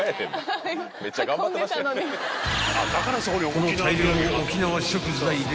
［この大量の沖縄食材で］